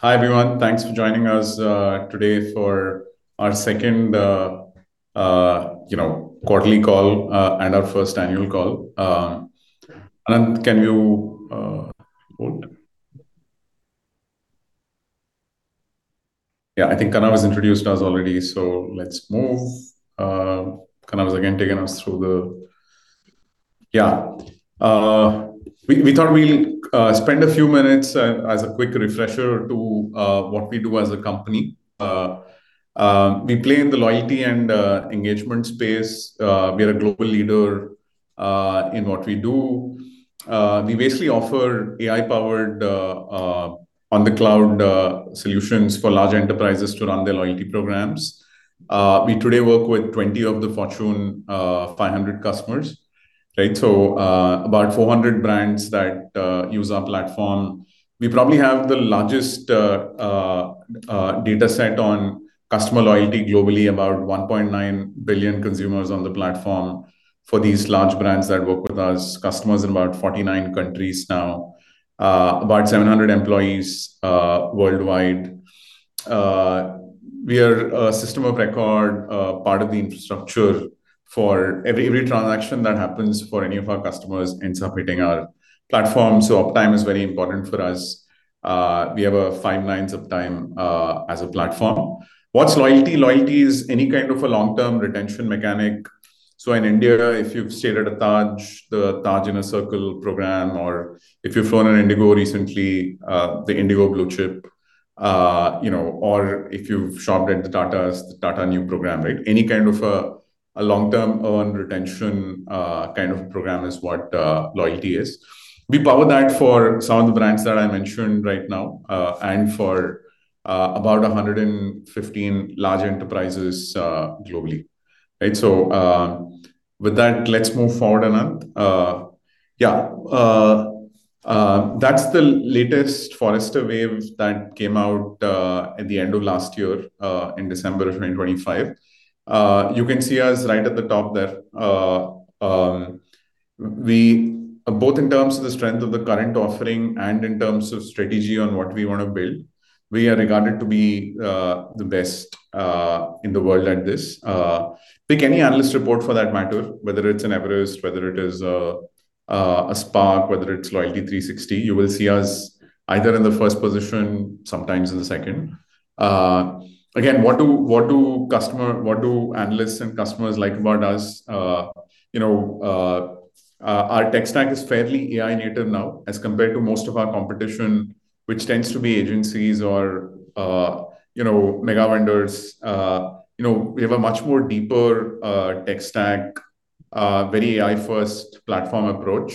Hi, everyone. Thanks for joining us today for our second, you know, quarterly call and our first annual call. Can you hold? Yeah, I think Kanav has introduced us already, let's move. Kanav's again taking us through the. We thought we'll spend a few minutes as a quick refresher to what we do as a company. We play in the loyalty and engagement space. We are a global leader in what we do. We basically offer AI-powered, on-the-cloud solutions for large enterprises to run their loyalty programs. We today work with 20 of the Fortune 500 customers, right? About 400 brands that use our platform. We probably have the largest data set on customer loyalty globally, about 1.9 billion consumers on the platform for these large brands that work with us. Customers in about 49 countries now. About 700 employees worldwide. We are a system of record, part of the infrastructure for every transaction that happens for any of our customers ends up hitting our platform, so uptime is very important for us. We have a five nines of time as a platform. What's loyalty? Loyalty is any kind of a long-term retention mechanic. In India, if you've stayed at a Taj, the Taj InnerCircle program, or if you've flown an IndiGo recently, the IndiGo BluChip, you know, or if you've shopped at the Tatas, the Tata Neu program, right? Any kind of a long-term earn retention kind of program is what loyalty is. We power that for some of the brands that I mentioned right now, and for about 115 large enterprises globally. With that, let's move forward, Anant. That's the latest Forrester Wave that came out at the end of last year, in December of 2025. You can see us right at the top there. Both in terms of the strength of the current offering and in terms of strategy on what we wanna build, we are regarded to be the best in the world at this. Pick any analyst report for that matter, whether it's an Everest, whether it is a SPARK, whether it's Loyalty360, you will see us either in the first position, sometimes in the second. Again, what do analysts and customers like about us? You know, our tech stack is fairly AI-native now as compared to most of our competition, which tends to be agencies or, you know, mega vendors. You know, we have a much more deeper tech stack, very AI-first platform approach.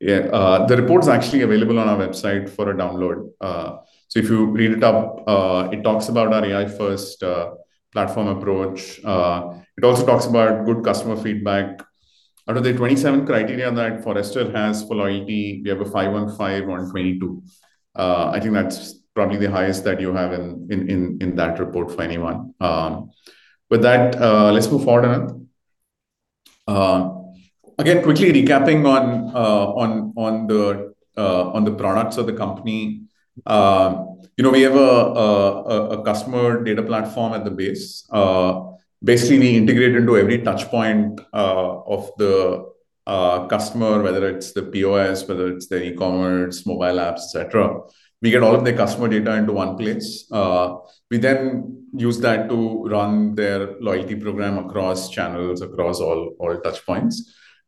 Yeah, the report's actually available on our website for a download. If you read it up, it talks about our AI-first platform approach. It also talks about good customer feedback. Out of the 27 criteria that Forrester has for loyalty, we have a 515 on 22. I think that's probably the highest that you have in that report for anyone. With that, let's move forward, Anant. Again, quickly recapping on the products of the company. You know, we have a customer data platform at the base. Basically, we integrate into every touch point of the customer, whether it's the POS, whether it's the e-commerce, mobile apps, et cetera. We get all of their customer data into one place. We then use that to run their loyalty program across channels, across all touchpoints.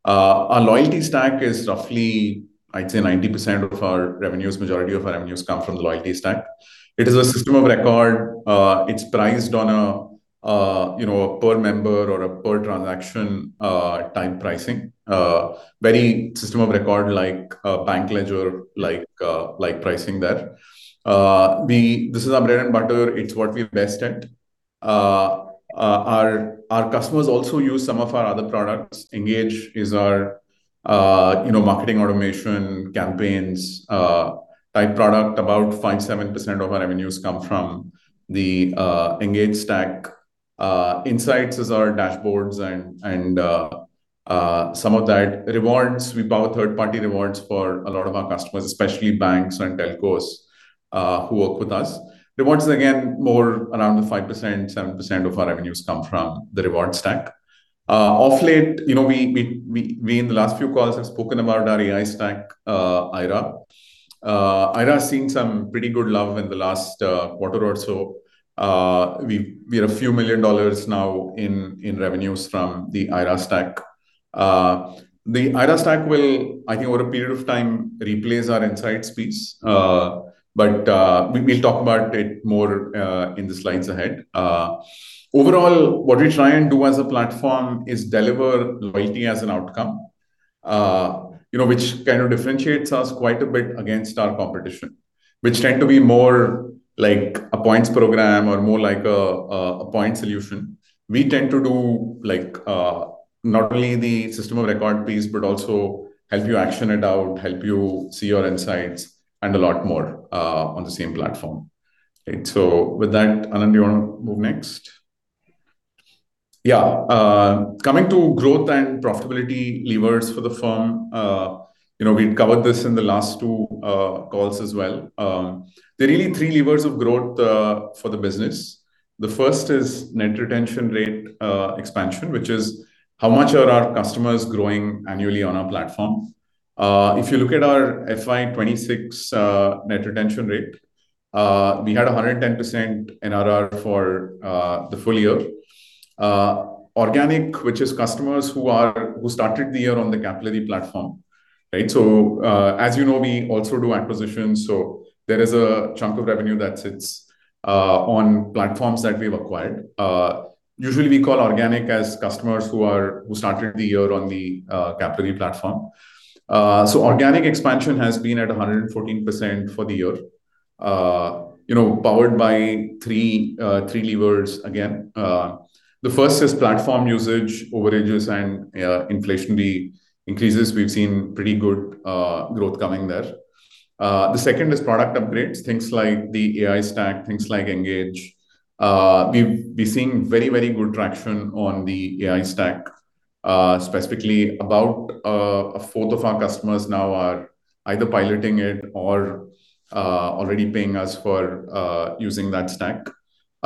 Our loyalty stack is roughly, I'd say 90% of our revenues, majority of our revenues come from the loyalty stack. It is a system of record. It's priced on a, you know, a per member or a per transaction, time pricing. Very system of record like a bank ledger, like pricing there. This is our bread and butter. It's what we're best at. Our customers also use some of our other products. Engage+ is our, you know, marketing automation, campaigns, type product. About 5%, 7% of our revenues come from the Engage+. Insights is our dashboards and, some of that rewards. We power third-party rewards for a lot of our customers, especially banks and telcos, who work with us. Rewards+, again, more around the 5%, 7% of our revenues come from the Rewards+. Of late, you know, we in the last few calls have spoken about our AI stack, aiRA. aiRA has seen some pretty good love in the last quarter or so. We're a few million dollars now in revenues from the aiRA stack. The aiRA stack will, I think over a period of time, replace our Insights+ piece. We'll talk about it more in the slides ahead. Overall, what we try and do as a platform is deliver loyalty as an outcome, you know, which kind of differentiates us quite a bit against our competition, which tend to be more like a points program or more like a points solution. We tend to do, like, not only the system of record piece, but also help you action it out, help you see your insights, and a lot more on the same platform. With that, Anant, do you wanna move next? Coming to growth and profitability levers for the firm, you know, we've covered this in the last two calls as well. There are really three levers of growth for the business. The first is net retention rate expansion, which is how much are our customers growing annually on our platform. If you look at our FY 2026 net retention rate, we had 110% NRR for the full year. Organic, which is customers who started the year on the Capillary platform, right? As you know, we also do acquisitions, there is a chunk of revenue that sits on platforms that we've acquired. Usually we call organic as customers who started the year on the Capillary platform. Organic expansion has been at 114% for the year, you know, powered by three levers again. The first is platform usage overages and inflationary increases. We've seen pretty good growth coming there. The second is product upgrades, things like the AI stack, things like Engage+. We're seeing very good traction on the AI stack, specifically about a fourth of our customers now are either piloting it or already paying us for using that stack.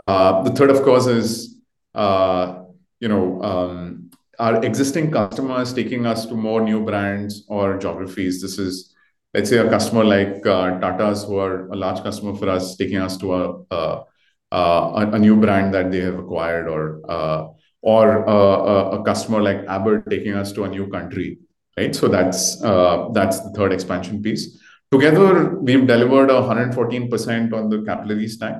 The third, of course, is, you know, our existing customers taking us to more new brands or geographies. This is, let's say, a customer like Tata's who are a large customer for us, taking us to a new brand that they have acquired or a customer like Abbott taking us to a new country, right? That's, that's the third expansion piece. Together, we've delivered 114% on the Capillary stack.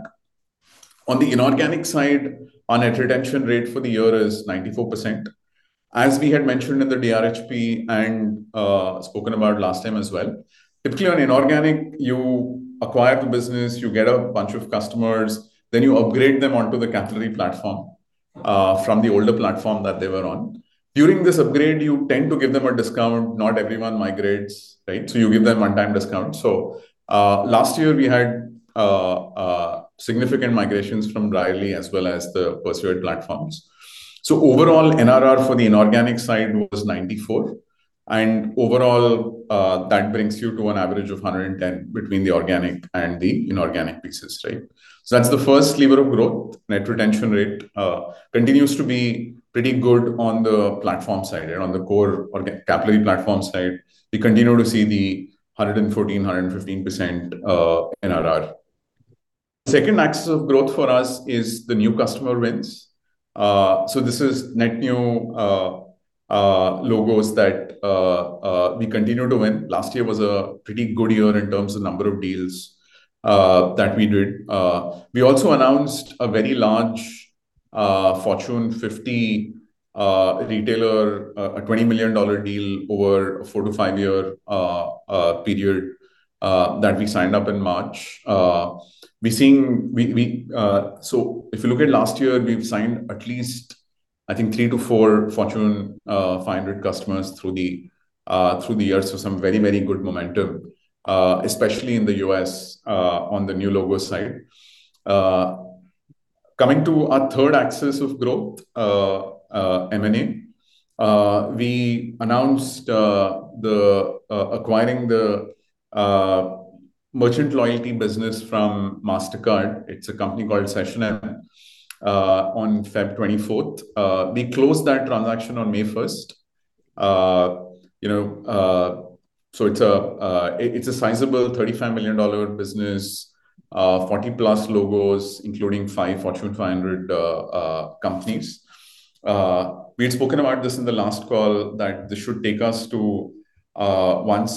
On the inorganic side, our net retention rate for the year is 94%. As we had mentioned in the DRHP and spoken about last time as well, typically on inorganic, you acquire the business, you get a bunch of customers, then you upgrade them onto the Capillary platform from the older platform that they were on. During this upgrade, you tend to give them a discount. Not everyone migrates, right? You give them one-time discount. Last year we had significant migrations from Brierley as well as the Persuade platforms. Overall, NRR for the inorganic side was 94%. Overall, that brings you to an average of 110% between the organic and the inorganic pieces, right? That's the first lever of growth. Net retention rate continues to be pretty good on the platform side and on the Capillary platform side. We continue to see the 114%-115% NRR. Second axis of growth for us is the new customer wins. This is net new logos that we continue to win. Last year was a pretty good year in terms of number of deals that we did. We also announced a very large Fortune 50 retailer, a $20 million deal over a four to five year period that we signed up in March. If you look at last year, we've signed at least, I think three to four Fortune 500 customers through the year. Some very, very good momentum, especially in the U.S., on the new logo side. Coming to our third axis of growth, M&A. We announced acquiring the merchant loyalty business from Mastercard. It's a company called SessionM on Feb 24. We closed that transaction on May 1st. It's a sizable $35 million business. 40+ logos, including five Fortune 500 companies. We had spoken about this in the last call that this should take us to, over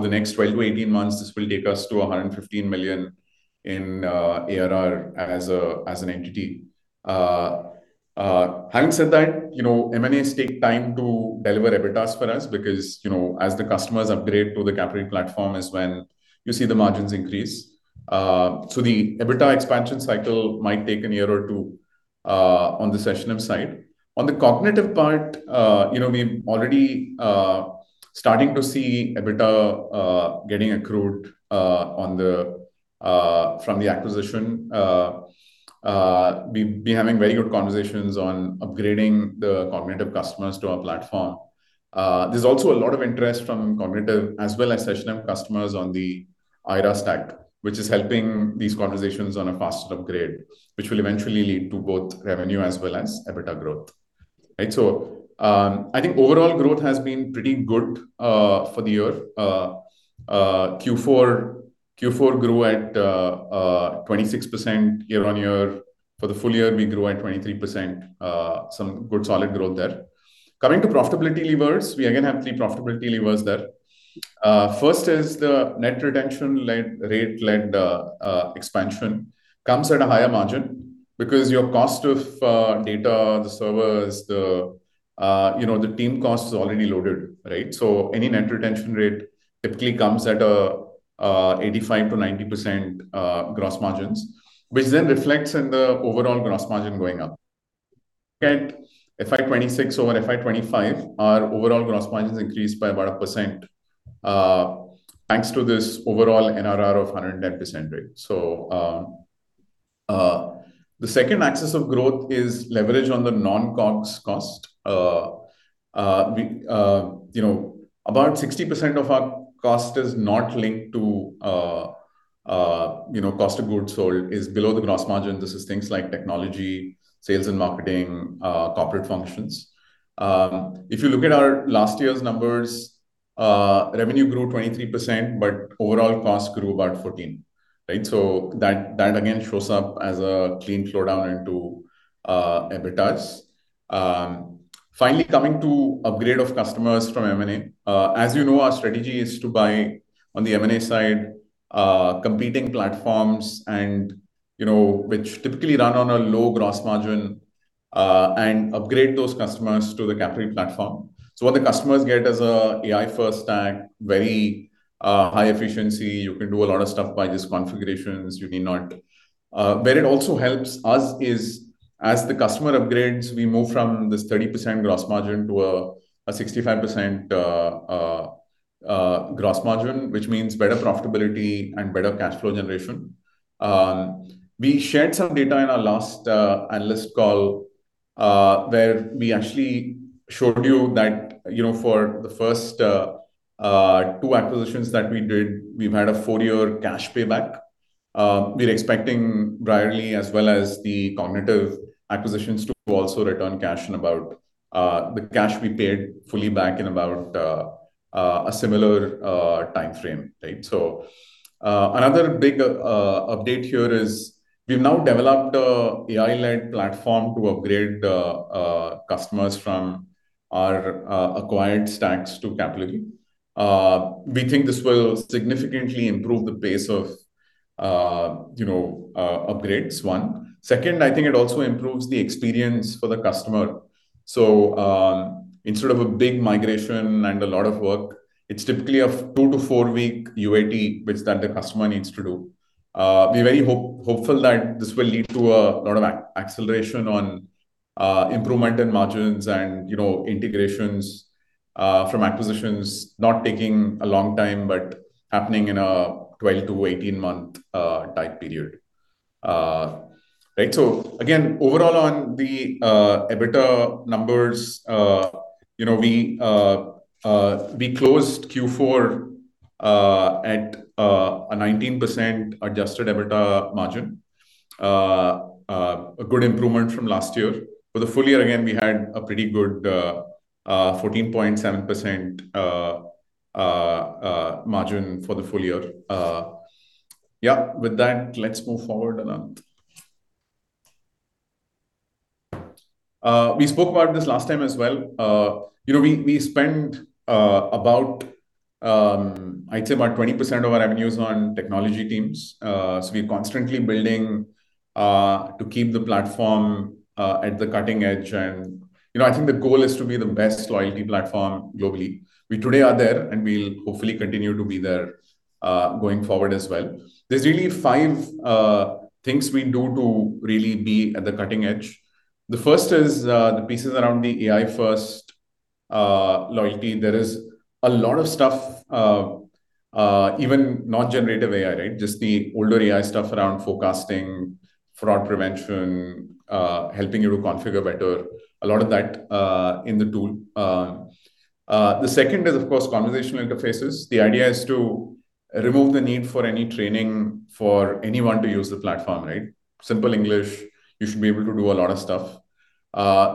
the next 12 to 18 months, this will take us to 115 million in ARR as an entity. Having said that, you know, M&As take time to deliver EBITDAs for us because, you know, as the customers upgrade to the Capillary platform is when you see the margins increase. So the EBITDA expansion cycle might take a year or two on the SessionM side. On the Kognitiv part, we're already starting to see EBITDA getting accrued from the acquisition. We've been having very good conversations on upgrading the Kognitiv customers to our platform. There's also a lot of interest from Kognitiv as well as SessionM customers on the aiRA stack, which is helping these conversations on a faster upgrade, which will eventually lead to both revenue as well as EBITDA growth. Right. I think overall growth has been pretty good for the year. Q4 grew at 26% year-on-year. For the full year, we grew at 23%. Some good solid growth there. Coming to profitability levers, we again have three profitability levers there. First is the net retention rate-led expansion. Comes at a higher margin because your cost of data, the servers, the, you know, the team cost is already loaded, right? Any net retention rate typically comes at 85%-90% gross margins, which then reflects in the overall gross margin going up. At FY 2026 over FY 2025, our overall gross margin has increased by about a percent. Thanks to this overall NRR of 110% rate. The second axis of growth is leverage on the non-COGS cost. You know, about 60% of our cost is not linked to, you know, cost of goods sold is below the gross margin. This is things like technology, sales and marketing, corporate functions. If you look at our last year's numbers, revenue grew 23%, but overall cost grew about 14%, right? That, that again shows up as a clean flow-down into EBITDAs. Finally coming to upgrade of customers from M&A. As you know, our strategy is to buy on the M&A side, competing platforms and, you know, which typically run on a low gross margin, and upgrade those customers to the Capillary platform. What the customers get is a AI-first stack, very high efficiency. You can do a lot of stuff by just configurations. Where it also helps us is as the customer upgrades, we move from this 30% gross margin to a 65% gross margin, which means better profitability and better cash flow generation. We shared some data in our last analyst call, where we actually showed you that, you know, for the first two acquisitions that we did, we've had a four year cash payback. We're expecting Brierley as well as the Kognitiv acquisitions to also return cash in about the cash we paid fully back in about a similar timeframe, right? Another big update here is we've now developed a AI-led platform to upgrade customers from our acquired stacks to Capillary. We think this will significantly improve the pace of, you know, upgrades, one. Second, I think it also improves the experience for the customer. Instead of a big migration and a lot of work, it's typically a two to four week UAT bits that the customer needs to do. We're very hopeful that this will lead to a lot of acceleration on improvement in margins and, you know, integrations from acquisitions. Not taking a long time, but happening in a 12-18 month time period. Right. Again, overall on the EBITDA numbers, you know, we closed Q4 at a 19% adjusted EBITDA margin. A good improvement from last year. For the full year, again, we had a pretty good 14.7% margin for the full year. Yeah. With that, let's move forward, Anant. We spoke about this last time as well. You know, we spend about, I'd say about 20% of our revenues on technology teams. We're constantly building to keep the platform at the cutting edge. You know, I think the goal is to be the best loyalty platform globally. We today are there, and we'll hopefully continue to be there, going forward as well. There's really five things we do to really be at the cutting edge. The first is the pieces around the AI first loyalty. There is a lot of stuff, even non-generative AI, right? Just the older AI stuff around forecasting, fraud prevention, helping you to configure better. A lot of that in the tool. The second is of course conversational interfaces. The idea is to remove the need for any training for anyone to use the platform, right? Simple English, you should be able to do a lot of stuff.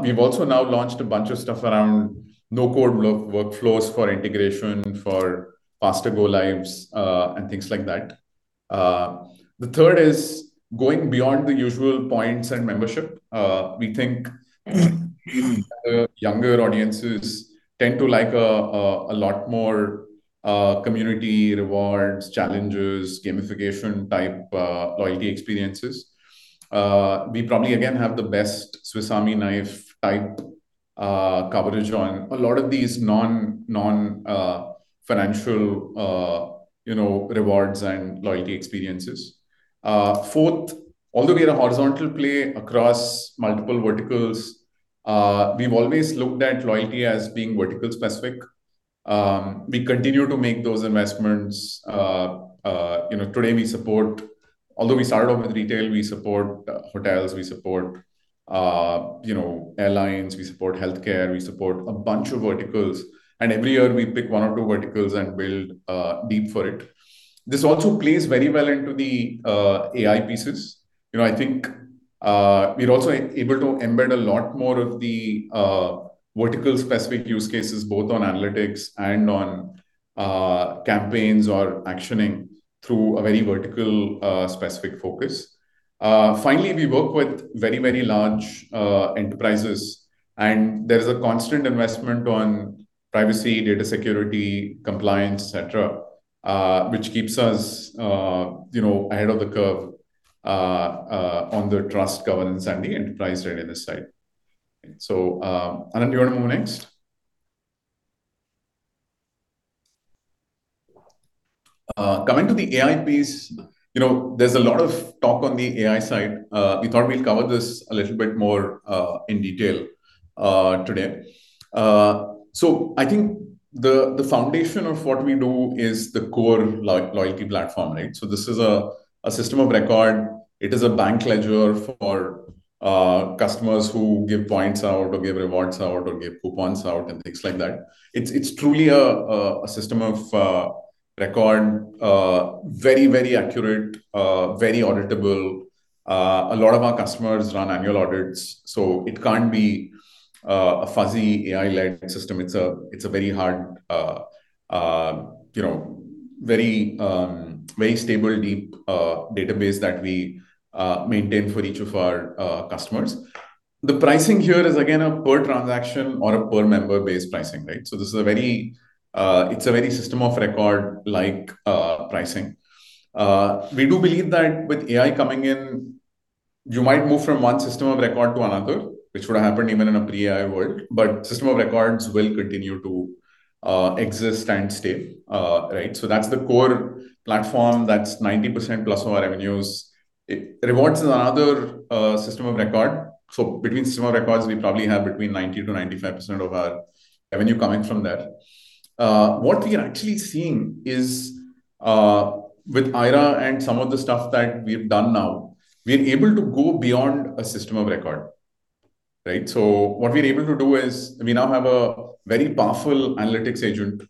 We've also now launched a bunch of stuff around no-code work-workflows for integration, for faster go-lives, and things like that. The third is going beyond the usual points and membership. We think the younger audiences tend to like a lot more community rewards, challenges, gamification-type loyalty experiences. We probably again have the best Swiss Army knife-type coverage on a lot of these non, you know, financial rewards and loyalty experiences. Fourth, although we are a horizontal play across multiple verticals, we've always looked at loyalty as being vertical specific. We continue to make those investments. You know, today we support, although we started off with retail, we support hotels, we support, you know, airlines, we support healthcare, we support a bunch of verticals. Every year, we pick one or two verticals and build deep for it. This also plays very well into the AI pieces. You know, I think, we're also able to embed a lot more of the vertical specific use cases, both on analytics and on campaigns or actioning through a very vertical specific focus. Finally, we work with very, very large enterprises, there is a constant investment on privacy, data security, compliance, et cetera, which keeps us, you know, ahead of the curve on the trust, governance, and the enterprise readiness side. Anant, you wanna move on next? Coming to the AI piece, you know, there's a lot of talk on the AI side. We thought we'd cover this a little bit more in detail today. I think the foundation of what we do is the core loyalty platform, right? This is a system of record. It is a bank ledger for customers who give points out or give rewards out or give coupons out and things like that. It's truly a system of record, very accurate, very auditable. A lot of our customers run annual audits, so it can't be a fuzzy AI-led system. It's a very hard, you know, very stable, deep database that we maintain for each of our customers. The pricing here is again a per transaction or a per member based pricing, right? This is a very, it's a very system of record-like pricing. We do believe that with AI coming in, you might move from one system of record to another, which would have happened even in a pre-AI world. System of records will continue to exist and stay, right. That's the core platform. That's 90%+ of our revenues. Rewards+ is another system of record. Between system of records, we probably have between 90%-95% of our revenue coming from that. What we are actually seeing is with aiRA and some of the stuff that we've done now, we're able to go beyond a system of record, right? What we're able to do is we now have a very powerful analytics agent.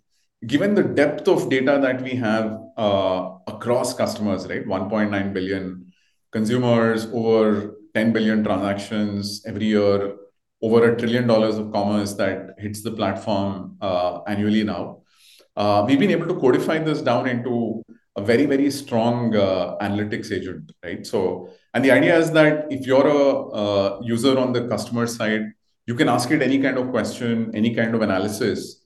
Given the depth of data that we have across customers, right, 1.9 billion consumers, over 10 billion transactions every year, over $1 trillion of commerce that hits the platform annually now. We've been able to codify this down into a very, very strong analytics agent, right? The idea is that if you're a user on the customer side, you can ask it any kind of question, any kind of analysis,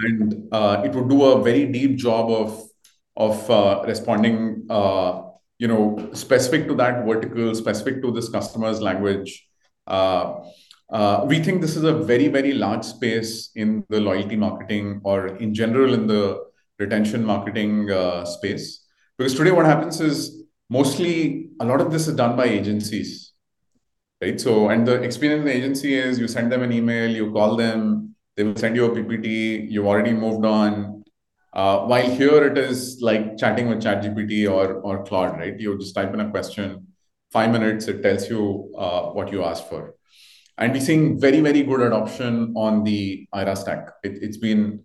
and it will do a very deep job of responding, you know, specific to that vertical, specific to this customer's language. We think this is a very large space in the loyalty marketing or in general in the retention marketing space. Because today what happens is mostly a lot of this is done by agencies, right? The experience with the agency is you send them an email, you call them, they will send you a PPT, you've already moved on. While here it is like chatting with ChatGPT or Claude, right? You just type in a question, five minutes, it tells you what you asked for. We're seeing very, very good adoption on the aiRA stack. It's been,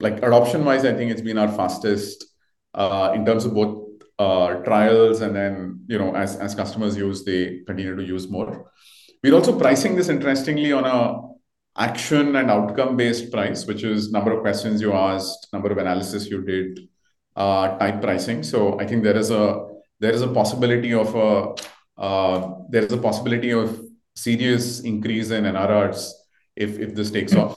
like adoption-wise, I think it's been our fastest in terms of both trials and then, you know, as customers use, they continue to use more. We're also pricing this interestingly on a action and outcome-based price, which is number of questions you asked, number of analysis you did, type pricing. I think there is a possibility of a serious increase in ARRs if this takes off.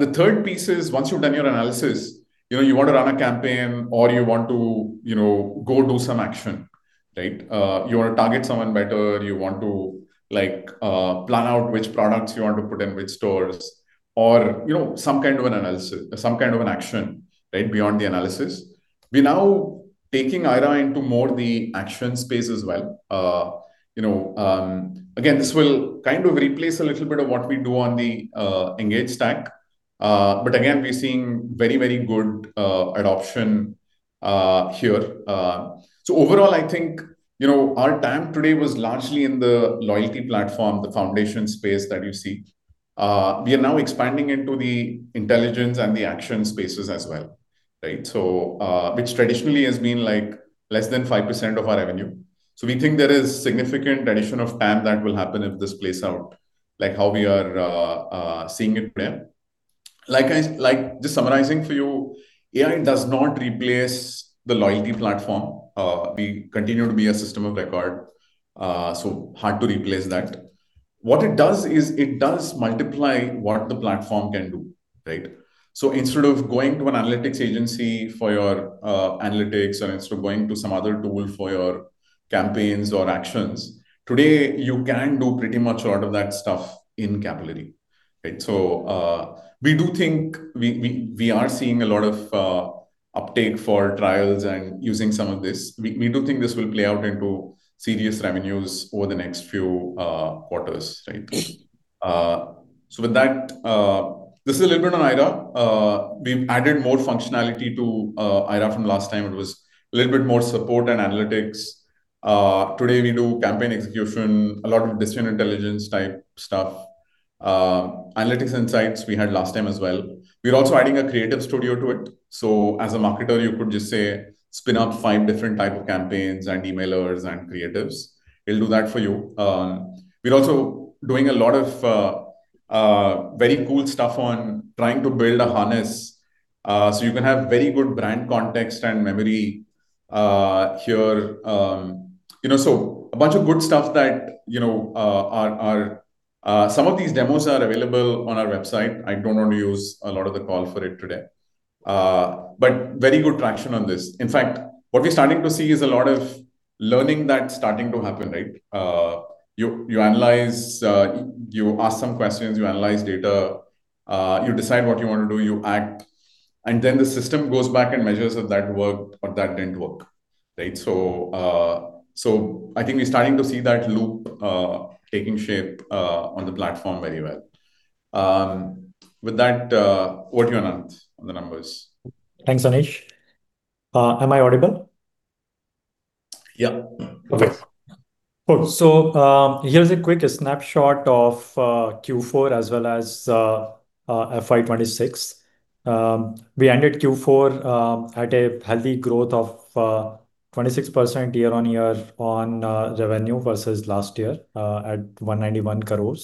The third piece is once you've done your analysis, you know, you want to run a campaign or you want to, you know, go do some action, right? You want to target someone better. You want to like plan out which products you want to put in which stores or, you know, some kind of an analysis, some kind of an action, right, beyond the analysis. We're now taking aiRA into more the action space as well. You know, again, this will kind of replace a little bit of what we do on the Engage+. But again, we're seeing very, very good adoption here. Overall, I think, you know, our TAM today was largely in the loyalty platform, the foundation space that you see. We are now expanding into the intelligence and the action spaces as well, right? Which traditionally has been like less than 5% of our revenue. We think there is significant addition of TAM that will happen if this plays out like how we are seeing it play out. Just summarizing for you, AI does not replace the loyalty platform. We continue to be a system of record, so hard to replace that. What it does is it does multiply what the platform can do, right? Instead of going to an analytics agency for your analytics, or instead of going to some other tool for your campaigns or actions, today you can do pretty much a lot of that stuff in Capillary, right? We do think we are seeing a lot of uptake for trials and using some of this. We do think this will play out into serious revenues over the next few quarters, right? With that, this is a little bit on aiRA. We've added more functionality to aiRA from last time. It was a little bit more support and analytics. Today we do campaign execution, a lot of decision intelligence type stuff. Analytics insights we had last time as well. We're also adding a creative studio to it. As a marketer, you could just say spin out five different type of campaigns and emailers and creatives. It will do that for you. We're also doing a lot of very cool stuff on trying to build a harness, so you can have very good brand context and memory here. You know, a bunch of good stuff that, you know, some of these demos are available on our website. I don't want to use a lot of the call for it today. Very good traction on this. In fact, what we're starting to see is a lot of learning that's starting to happen, right? You analyze, you ask some questions, you analyze data, you decide what you wanna do, you act, then the system goes back and measures if that worked or that didn't work, right? I think we're starting to see that loop taking shape on the platform very well. With that, over to you, Anant, on the numbers. Thanks, Aneesh. Am I audible? Yeah. Okay. Cool. Here's a quick snapshot of Q4 as well as FY 2026. We ended Q4 at a healthy growth of 26% year-on-year on revenue versus last year, at 191 crore.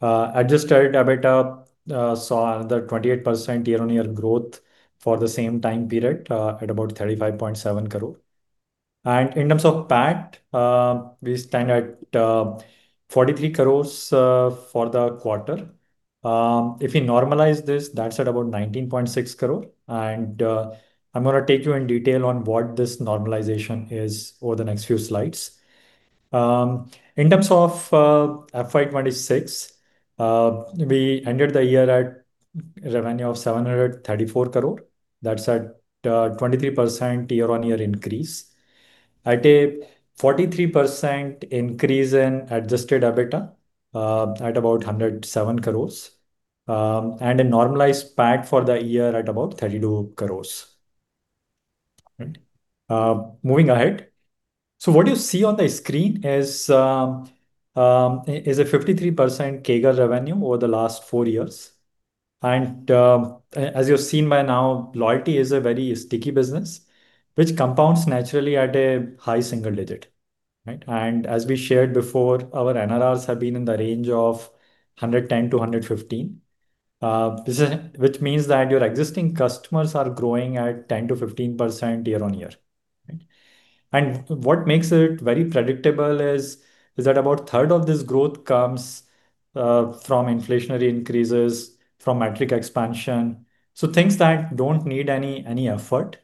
Adjusted EBITDA saw another 28% year-on-year growth for the same time period, at about 35.7 crore. In terms of PAT, we stand at 43 crore for the quarter. If we normalize this, that's at about 19.6 crore and I'm gonna take you in detail on what this normalization is over the next few slides. In terms of FY 2026, we ended the year at revenue of 734 crore. That's at 23% year-on-year increase. At a 43% increase in adjusted EBITDA, at about 107 crores, and a normalized PAT for the year at about 32 crores. Right. Moving ahead. What you see on the screen is a 53% CAGR revenue over the last four years. As you have seen by now, loyalty is a very sticky business, which compounds naturally at a high single digit, right? As we shared before, our NRR have been in the range of 110%-115%, which means that your existing customers are growing at 10%-15% year-on-year. Right? What makes it very predictable is that about a third of this growth comes from inflationary increases, from metric expansion. Things that don't need any effort,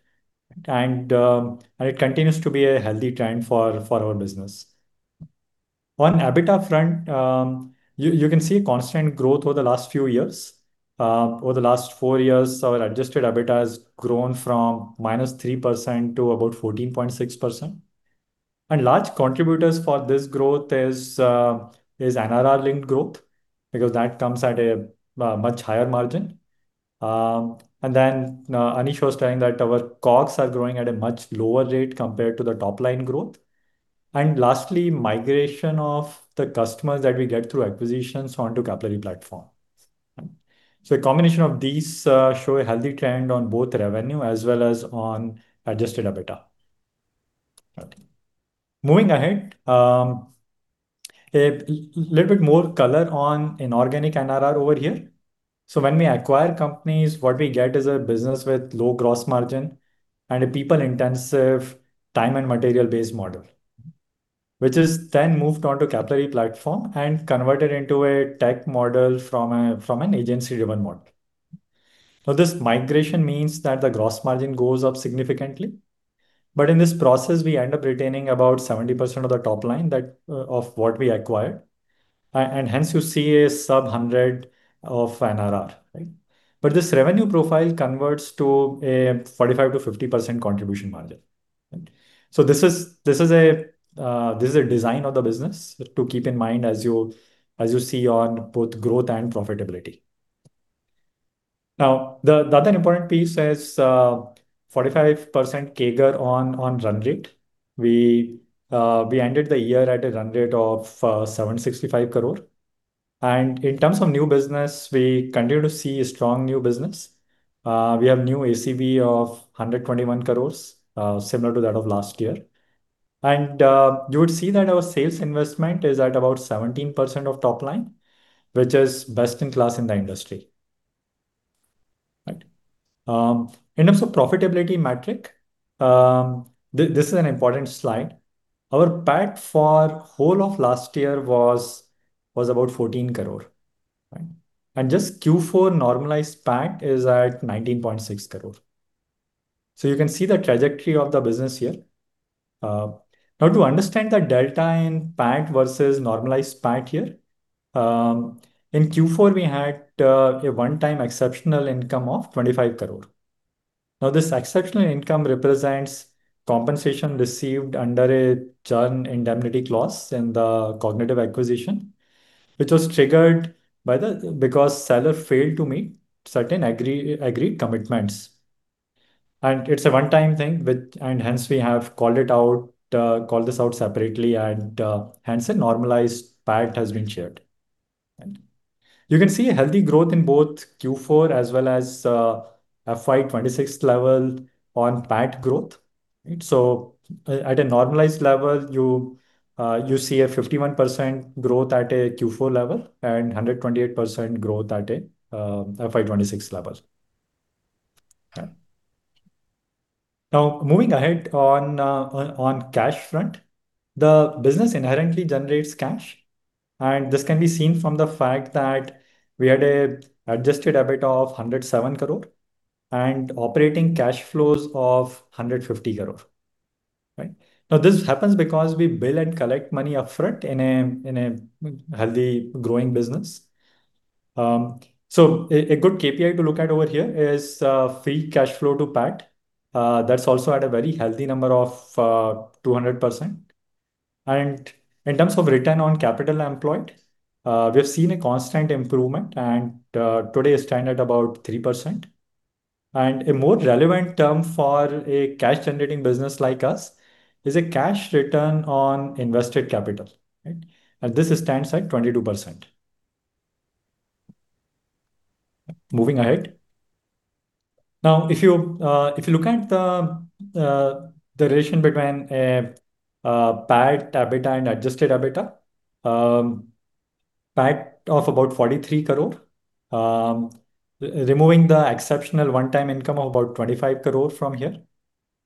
and it continues to be a healthy trend for our business. On EBITDA front, you can see constant growth over the last few years. Over the last four years, our adjusted EBITDA has grown from -3% to about 14.6%. Large contributors for this growth is NRR-linked growth, because that comes at a much higher margin. Aneesh was telling that our costs are growing at a much lower rate compared to the top-line growth. Lastly, migration of the customers that we get through acquisitions onto Capillary platform. A combination of these show a healthy trend on both revenue as well as on adjusted EBITDA. Moving ahead, a little bit more color on inorganic NRR over here. When we acquire companies, what we get is a business with low gross margin and a people-intensive time and material-based model, which is then moved onto Capillary platform and converted into a tech model from an agency-driven model. This migration means that the gross margin goes up significantly. In this process, we end up retaining about 70% of the top line that of what we acquired. Hence you see a sub-100 of NRR, right? This revenue profile converts to a 45%-50% contribution margin. This is a design of the business to keep in mind as you see on both growth and profitability. The other important piece is, 45% CAGR on run rate. We ended the year at a run rate of 765 crore. In terms of new business, we continue to see a strong new business. We have new ACV of 121 crores, similar to that of last year. You would see that our sales investment is at about 17% of top line, which is best in class in the industry. Right. In terms of profitability metric, this is an important slide. Our PAT for whole of last year was about 14 crore, right? Just Q4 normalized PAT is at 19.6 crore. You can see the trajectory of the business here. Now to understand the delta in PAT versus normalized PAT here, in Q4, we had a one-time exceptional income of 25 crore. This exceptional income represents compensation received under a churn indemnity clause in the Kognitiv acquisition, which was triggered because seller failed to meet certain agreed commitments. It's a one-time thing. Hence we have called it out separately and hence a normalized PAT has been shared. Right. You can see a healthy growth in both Q4 as well as FY 2026 level on PAT growth. Right. At a normalized level, you see a 51% growth at a Q4 level and 128% growth at a FY 2026 level. Right. Moving ahead on cash front, the business inherently generates cash, and this can be seen from the fact that we had a adjusted EBIT of 107 crore and operating cash flows of 150 crore. Right. This happens because we bill and collect money upfront in a, in a healthy growing business. A good KPI to look at over here is free cashflow to PAT. That's also at a very healthy number of 200%. In terms of return on capital employed, we have seen a constant improvement and today stand at about 3%. A more relevant term for a cash-generating business like us is a cash return on invested capital. Right? This stands at 22%. Moving ahead. If you look at the relation between PAT, EBITDA and adjusted EBITDA, PAT of about 43 crore, removing the exceptional one-time income of about 25 crore from here.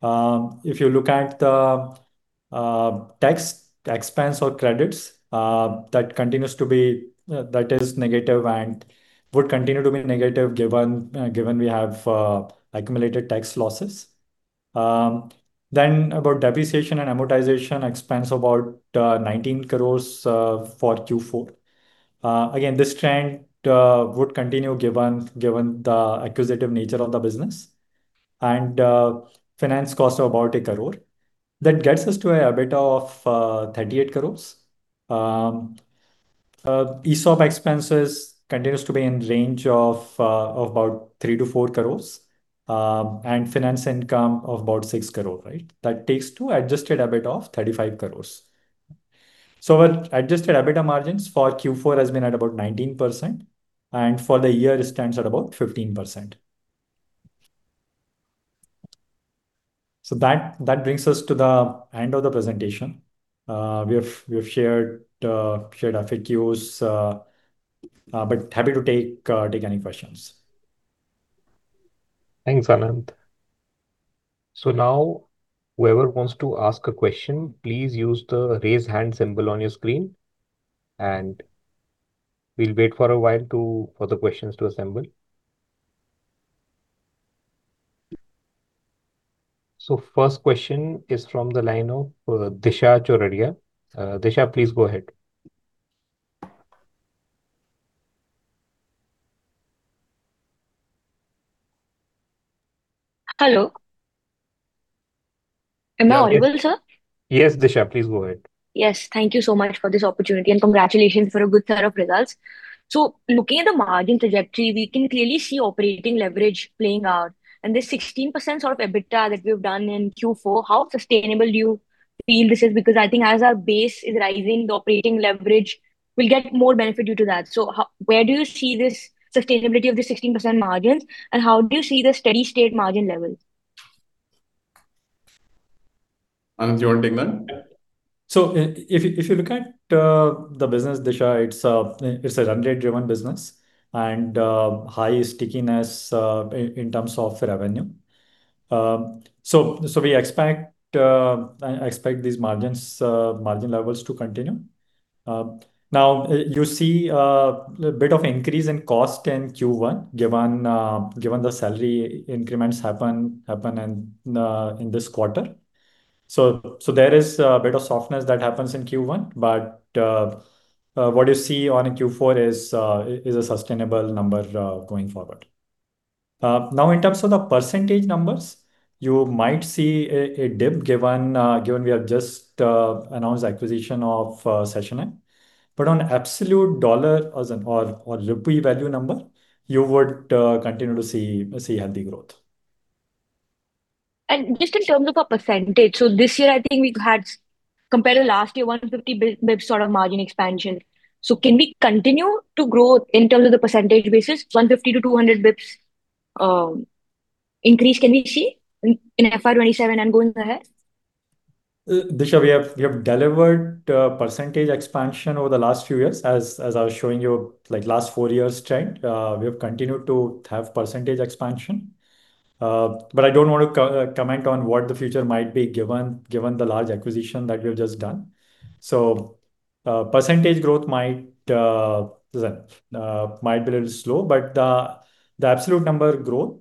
If you look at the tax expense or credits, that continues to be that is negative and would continue to be negative given given we have accumulated tax losses. About depreciation and amortization expense, about 19 crores for Q4. Again, this trend would continue given given the acquisitive nature of the business. Finance cost of about 1 crore. That gets us to a EBITDA of 38 crores. ESOP expenses continues to be in range of about 3 crores-4 crores, and finance income of about 6 crore. That takes to adjusted EBIT of 35 crores. Our adjusted EBITDA margins for Q4 has been at about 19%, and for the year it stands at about 15%. That brings us to the end of the presentation. We have shared our FAQs, but happy to take any questions. Thanks, Anant. Now whoever wants to ask a question, please use the Raise Hand symbol on your screen, and we'll wait for a while for the questions to assemble. First question is from the line of Rishi Jhunjhunwala. Rishi, please go ahead. Hello. Am I audible, sir? Yes, Rishi. Please go ahead. Yes, thank you so much for this opportunity, and congratulations for a good set of results. Looking at the margin trajectory, we can clearly see operating leverage playing out. The 16% sort of EBITDA that we've done in Q4, how sustainable do you feel this is? I think as our base is rising, the operating leverage will get more benefit due to that. Where do you see this sustainability of the 16% margins, and how do you see the steady state margin level? Anant, do you wanna take that? If you look at the business, Rishi, it's a run rate driven business and high stickiness in terms of revenue. I expect these margins, margin levels to continue. Now you see a bit of increase in cost in Q1 given the salary increments happen in this quarter. There is a bit of softness that happens in Q1, but what you see on Q4 is a sustainable number going forward. Now in terms of the percentage numbers, you might see a dip given we have just announced acquisition of SessionM. On absolute dollar as in or rupee value number, you would continue to see healthy growth. Just in terms of a percentage, this year I think we had, compared to last year, 150 bips sort of margin expansion. Can we continue to grow in terms of the percentage basis, 150 to 200 bips, increase can we see in FY 2027 and going ahead? Rishi, we have delivered percentage expansion over the last few years. As I was showing you, like, last four years trend, we have continued to have percentage expansion. I don't wanna comment on what the future might be given the large acquisition that we have just done. Percentage growth might be a little slow, but the absolute number growth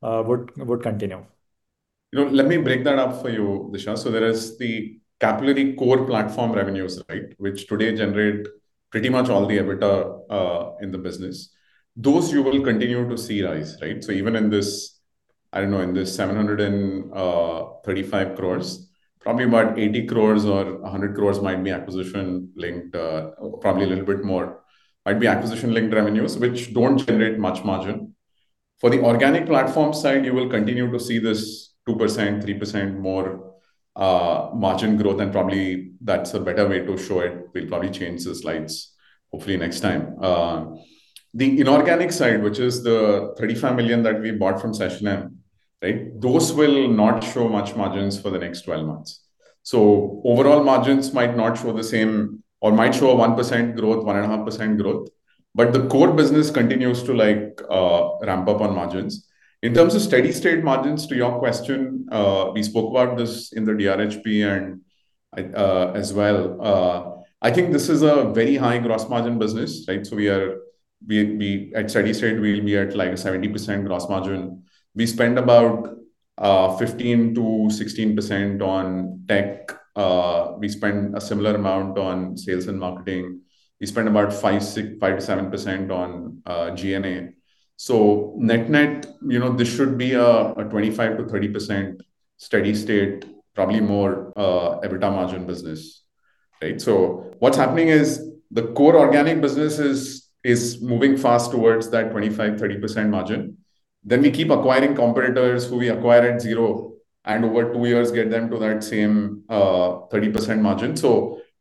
would continue. You know, let me break that up for you, Rishi. There is the Capillary core platform revenues. Which today generate pretty much all the EBITDA in the business. Those you will continue to see rise. Even in this, I don't know, in this 735 crores, probably about 80 crores or 100 crores might be acquisition-linked, probably a little bit more, might be acquisition-linked revenues, which don't generate much margin. For the organic platform side, you will continue to see this 2%, 3% more margin growth, and probably that's a better way to show it. We'll probably change the slides, hopefully next time. The inorganic side, which is the $35 million that we bought from SessionM. Those will not show much margins for the next 12 months. Overall margins might not show the same or might show a 1% growth, 1.5% growth. The core business continues to, like, ramp up on margins. In terms of steady-state margins to your question, we spoke about this in the DRHP and as well. I think this is a very high gross margin business, right? At steady state we'll be at like 70% gross margin. We spend about 15%-16% on tech. We spend a similar amount on sales and marketing. We spend about 5%-7% on G&A. Net-net, you know, this should be a 25%-30% steady state, probably more, EBITDA margin business, right? What's happening is the core organic business is moving fast towards that 25%, 30% margin. We keep acquiring competitors who we acquire at zero, and over two years get them to that same 30% margin.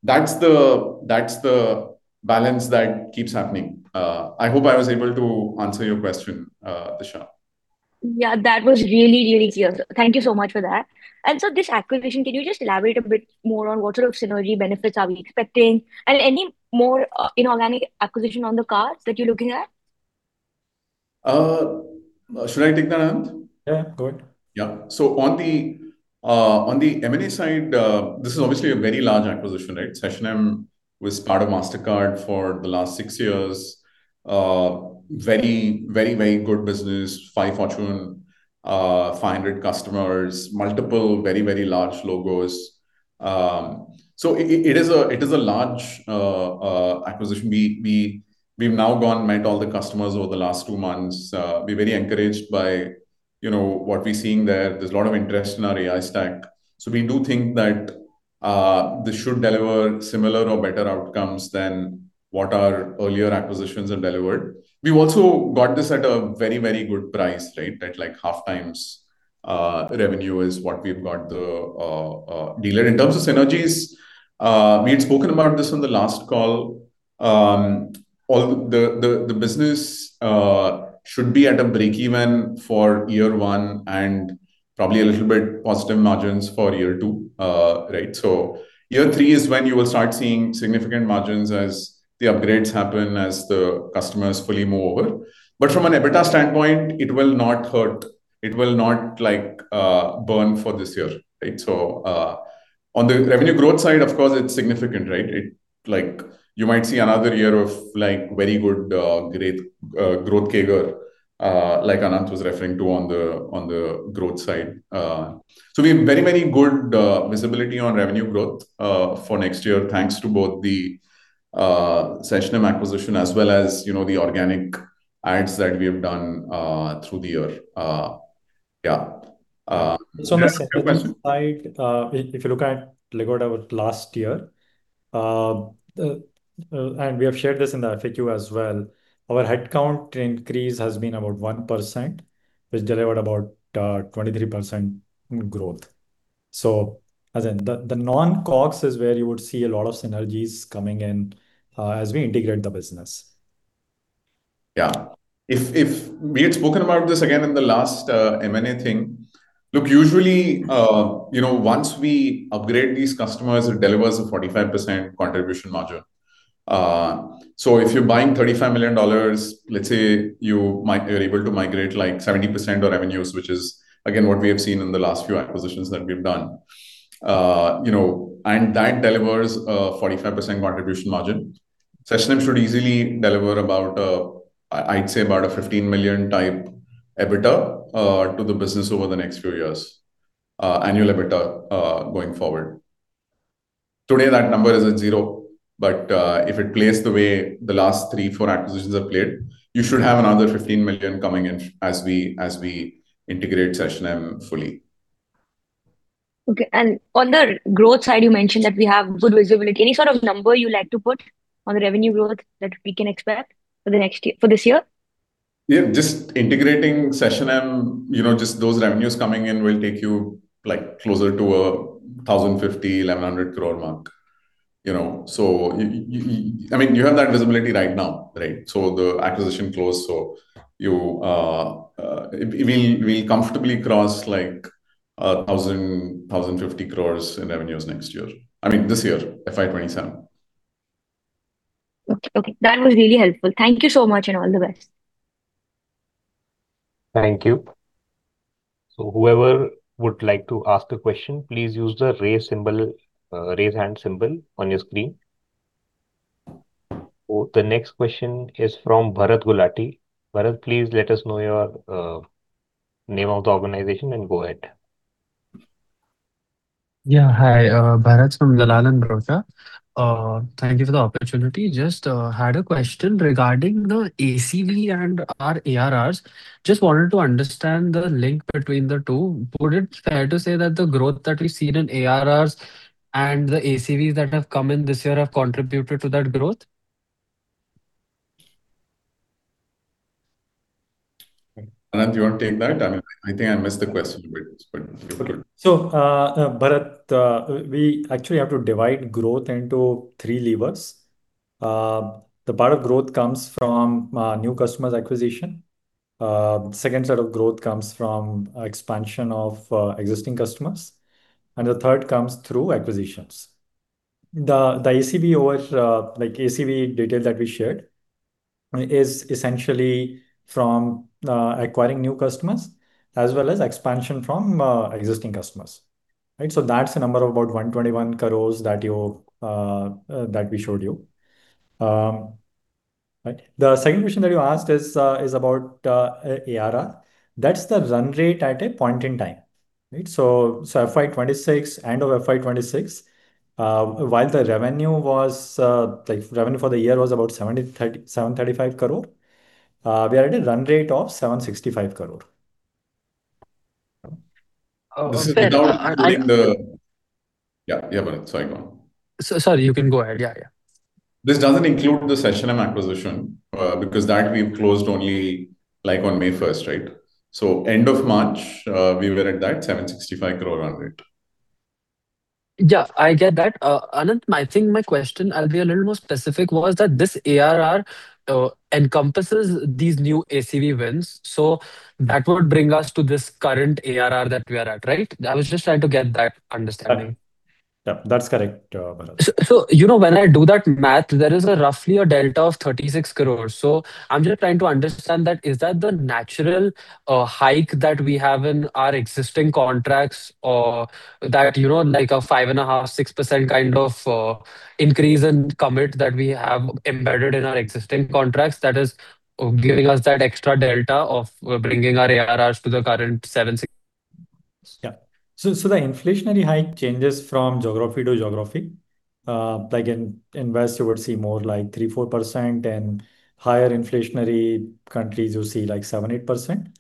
That's the balance that keeps happening. I hope I was able to answer your question, Rishi. Yeah, that was really, really clear. Thank you so much for that. This acquisition, can you just elaborate a bit more on what sort of synergy benefits are we expecting? Any more inorganic acquisition on the cards that you're looking at? Should I take that, Anant? Yeah, go ahead. On the M&A side, this is obviously a very large acquisition, right? SessionM was part of Mastercard for the last six years. Very good business. 5 Fortune 500 customers, multiple very large logos. It is a large acquisition. We've now gone met all the customers over the last two months. We're very encouraged by, you know, what we're seeing there. There's a lot of interest in our AI stack. We do think that this should deliver similar or better outcomes than what our earlier acquisitions have delivered. We've also got this at a very good price, right? At like half times revenue is what we've got the deal at. In terms of synergies, we had spoken about this on the last call. All the business should be at a break even for year one and probably a little bit positive margins for year two, right? Year three is when you will start seeing significant margins as the upgrades happen, as the customers fully move over. From an EBITDA standpoint, it will not hurt. It will not like burn for this year, right? On the revenue growth side, of course, it's significant, right? It like you might see another year of like very good, great growth CAGR, like Anant was referring to on the growth side. We have very, very good visibility on revenue growth for next year. Thanks to both the SessionM acquisition as well as, you know, the organic adds that we have done through the year. Yeah. If you look at, like, Legado last year, and we have shared this in the FAQ as well. Our headcount increase has been about 1%, which delivered about 23% in growth. As in the non-COGS is where you would see a lot of synergies coming in as we integrate the business. Yeah. If, if we had spoken about this again in the last M&A thing. Look, usually, you know, once we upgrade these customers, it delivers a 45% contribution margin. If you're buying $35 million, let's say you're able to migrate like 70% of revenues, which is again what we have seen in the last few acquisitions that we've done. You know, that delivers a 45% contribution margin. SessionM should easily deliver about a, I'd say about a $15 million type EBITDA to the business over the next few years. Annual EBITDA going forward. Today that number is at zero, if it plays the way the last three, four acquisitions have played, you should have another $15 million coming in as we integrate SessionM fully. Okay. On the growth side, you mentioned that we have good visibility. Any sort of number you like to put on the revenue growth that we can expect for this year? Yeah. Just integrating SessionM, you know, just those revenues coming in will take you, like, closer to 1,050 crore-1,100 crore mark, you know. I mean, you have that visibility right now, right? The acquisition closed, you, we'll comfortably cross like 1,000 crore-1,050 crore in revenues next year. I mean this year, FY 2027. Okay. Okay. That was really helpful. Thank you so much, and all the best. Thank you. Whoever would like to ask a question, please use the raise symbol, raise hand symbol on your screen. The next question is from Bharat Gulati. Bharat, please let us know your name of the organization and go ahead. Yeah. Hi, Bharat from Dalal & Broacha. Thank you for the opportunity. Just had a question regarding the ACV and our ARRs. Just wanted to understand the link between the two. Would it fair to say that the growth that we've seen in ARRs and the ACVs that have come in this year have contributed to that growth? Anant, do you want to take that? I mean, I think I missed the question a bit, but you could. Bharat, we actually have to divide growth into three levers. The part of growth comes from new customers acquisition. Second set of growth comes from expansion of existing customers, and the third comes through acquisitions. The ACV over, like ACV detail that we shared is essentially from acquiring new customers as well as expansion from existing customers. That's a number of about 121 crore that you that we showed you. The second question that you asked is about ARR. That's the run rate at a point in time, right. FY 2026, end of FY 2026, while the revenue was, like revenue for the year was about 735 crore, we are at a run rate of 765 crore. This is without including. Yeah. Yeah, Bharat. Sorry, go on. Sorry, you can go ahead. Yeah. This doesn't include the SessionM acquisition, because that we've closed only, like, on May first, right? End of March, we were at that 765 crore run rate. Yeah, I get that. Anant, I think my question, I'll be a little more specific, was that this ARR encompasses these new ACV wins, so that would bring us to this current ARR that we are at, right? I was just trying to get that understanding. Yeah, that's correct, Bharat. So, you know, when I do that math, there is a roughly a delta of 36 crores. I'm just trying to understand that, is that the natural hike that we have in our existing contracts or that, you know, like a 5.5%, 6% kind of increase in commit that we have embedded in our existing contracts that is giving us that extra delta of bringing our ARRs to the current 76- The inflationary hike changes from geography to geography. Like in West you would see more like 3%-4%, and higher inflationary countries you'll see like 7%-8%.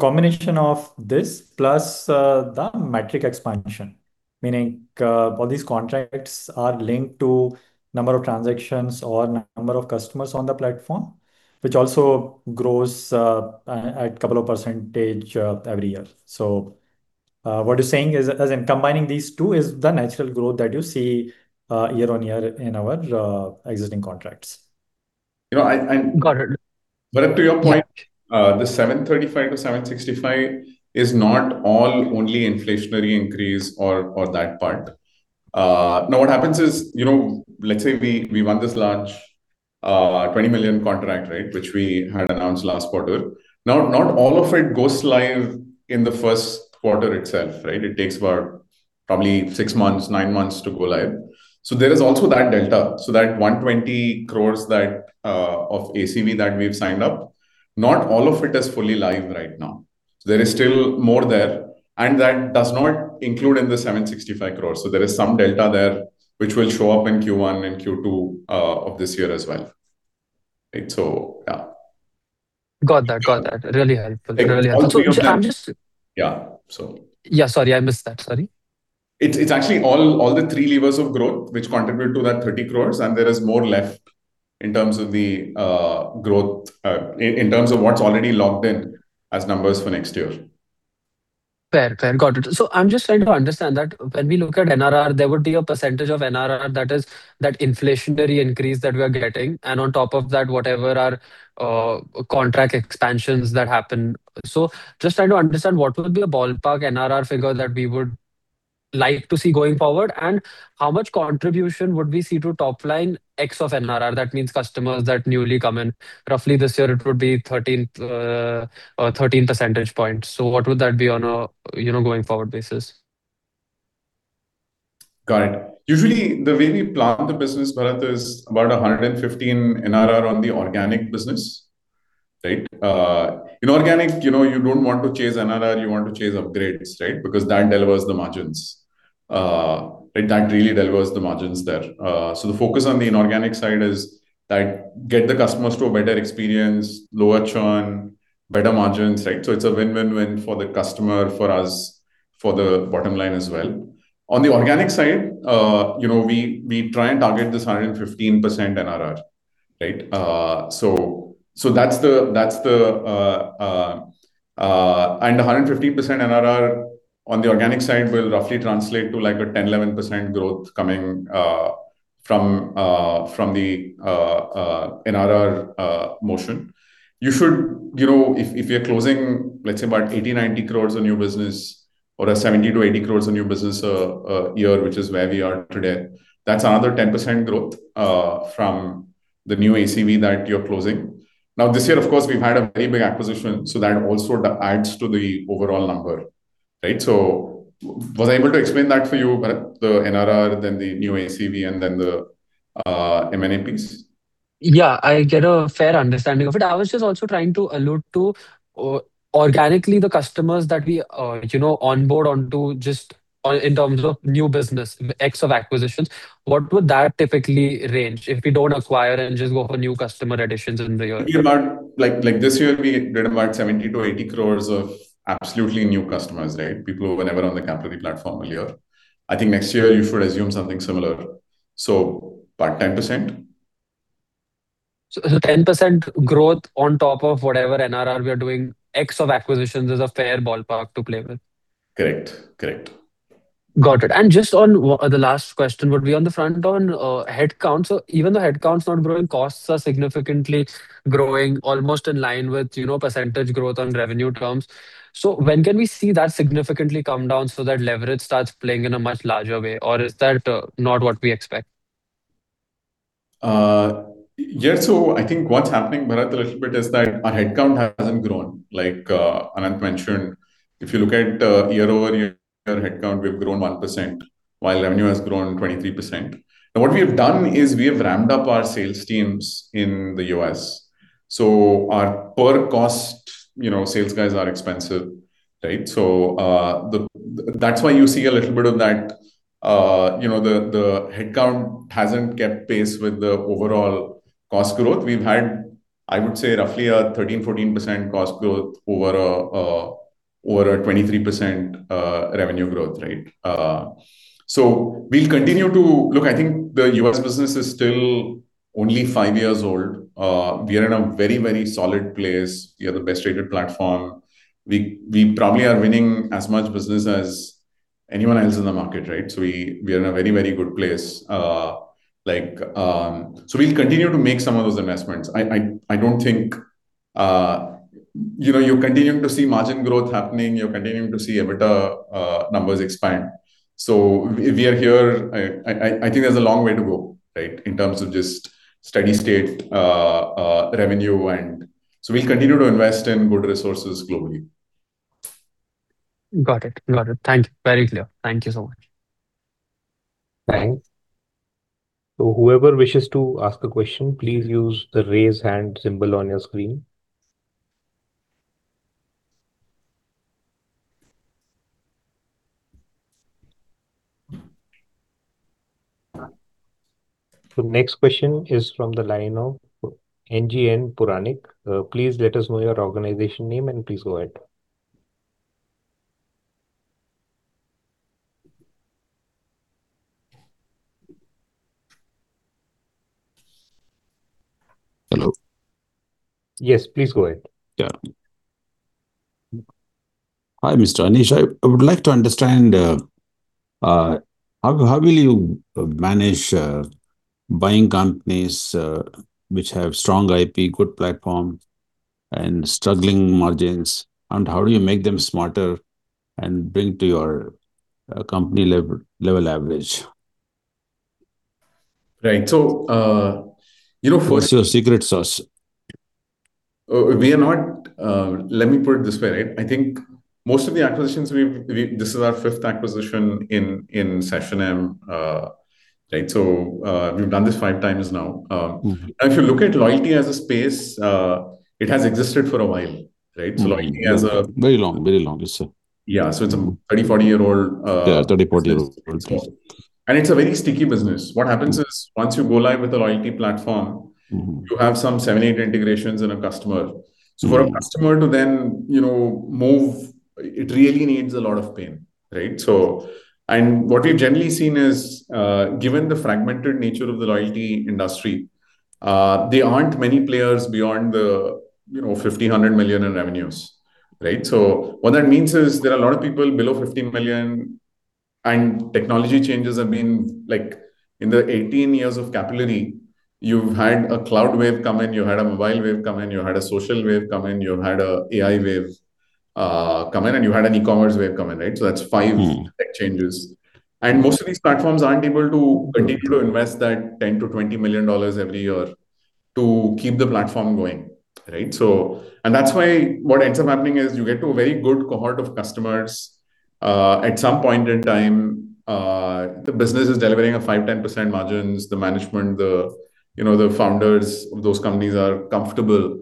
Combination of this plus the metric expansion, meaning all these contracts are linked to number of transactions or number of customers on the platform, which also grows at couple of percentage every year. What you're saying is, as in combining these two is the natural growth that you see year-on-year in our existing contracts. You know. Got it. Bharat, to your point. Yeah. The 735 crores- 765 crores is not all only inflationary increase or that part. What happens is, you know, let's say we won this large, 20 million contract, right? Which we had announced last quarter. Not all of it goes live in the first quarter itself, right? It takes about probably six months, nine months to go live. There is also that delta. That 120 crores that of ACV that we've signed up, not all of it is fully live right now. There is still more there, and that does not include in the 765 crores. There is some delta there which will show up in Q1 and Q2 of this year as well. Got that. Got that. Really helpful. Really helpful. On top of that- So I'm just- Yeah. Yeah, sorry, I missed that. Sorry. It's actually all the three levers of growth which contribute to that 30 crores, and there is more left in terms of the growth in terms of what's already locked in as numbers for next year. Fair. Fair. Got it. I'm just trying to understand that when we look at NRR, there would be a percentage of NRR that is that inflationary increase that we are getting, and on top of that, whatever our contract expansions that happen. Just trying to understand what would be a ballpark NRR figure that we would like to see going forward, and how much contribution would we see to top line X of NRR? That means customers that newly come in. Roughly this year it would be 13 percentage points. What would that be on a, you know, going forward basis? Got it. Usually, the way we plan the business, Bharat, is about a 115% NRR on the organic business, right? Inorganic, you know, you don't want to chase NRR, you want to chase upgrades, right? Because that delivers the margins. Right, that really delivers the margins there. The focus on the inorganic side is that get the customers to a better experience, lower churn, better margins, right? It's a win-win-win for the customer, for us, for the bottom line as well. On the organic side, you know, we try and target this 115% NRR, right? That's the 115% NRR on the organic side will roughly translate to like a 10%-11% growth coming from the NRR motion. You know, if we are closing, let's say about 80, 90 crores of new business or 70 crores-80 crores of new business a year, which is where we are today, that's another 10% growth from the new ACV that you're closing. Now, this year, of course, we've had a very big acquisition, so that also adds to the overall number, right? Was I able to explain that for you, Bharat? The NRR, then the new ACV, and then the M&As piece? Yeah, I get a fair understanding of it. I was just also trying to allude to organically the customers that we, you know, onboard onto just on, in terms of new business, X of acquisitions. What would that typically range if we don't acquire and just go for new customer additions in the year? It'll be about Like this year we did about 70 crores-80 crores of absolutely new customers, right? People who were never on the Capillary platform earlier. I think next year you should assume something similar. About 10%. 10% growth on top of whatever NRR we are doing, X of acquisitions is a fair ballpark to play with. Correct. Correct. Got it. Just on the last question would be on the front on head count. Even the head count's not growing, costs are significantly growing almost in line with, you know, percentage growth on revenue terms. When can we see that significantly come down so that leverage starts playing in a much larger way? Or is that not what we expect? Yeah. I think what's happening, Bharat, a little bit is that our head count hasn't grown. Like Anant mentioned, if you look at year-over-year head count, we've grown 1% while revenue has grown 23%. What we have done is we have ramped up our sales teams in the U.S. Our per cost, you know, sales guys are expensive, right? That's why you see a little bit of that, you know, the head count hasn't kept pace with the overall cost growth. We've had, I would say, roughly a 13%-14% cost growth over a 23% revenue growth, right? We'll continue to Look, I think the U.S. business is still only five years old. We are in a very, very solid place. We have the best-rated platform. We probably are winning as much business as anyone else in the market, right? We are in a very, very good place. Like, we'll continue to make some of those investments. I don't think, you know, you're continuing to see margin growth happening. You're continuing to see EBITDA numbers expand. We are here. I think there's a long way to go, right, in terms of just steady state revenue. We'll continue to invest in good resources globally. Got it. Thank you. Very clear. Thank you so much. Thanks. Whoever wishes to ask a question, please use the raise hand symbol on your screen. The next question is from the line of NGN Puranik. Please let us know your organization name, and please go ahead. Hello? Yes, please go ahead. Hi, Mr. Aneesh. I would like to understand how will you manage buying companies which have strong IP, good platform, and struggling margins? How do you make them smarter and bring to your company level average? Right. You know. What's your secret sauce? Let me put it this way, right? I think most of the acquisitions This is our fifth acquisition in SessionM. we've done this five times now. If you look at loyalty as a space, it has existed for a while, right? So loyalty as a- Very long. Very long, yes, sir. Yeah. It's a 30, 40 year old. Yeah, 30-40 year old business. It's a very sticky business. What happens is, once you go live with a loyalty platform. You have some seven, eight integrations in a customer. For a customer to then, you know, move, it really needs a lot of pain, right? What we've generally seen is, given the fragmented nature of the loyalty industry, there aren't many players beyond the, you know, 1,500 million in revenues, right? What that means is there are a lot of people below 15 million, and technology changes have been Like, in the 18 years of Capillary, you've had a cloud wave come in, you had a mobile wave come in, you had a social wave come in, you had an AI wave come in, and you had an e-commerce wave come in, right? Tech changes. most of these platforms aren't able to continue to invest that INR 10 million-INR 20 million every year to keep the platform going, right? That's why what ends up happening is you get to a very good cohort of customers. At some point in time, the business is delivering 5%, 10% margins. The management, you know, the founders of those companies are comfortable,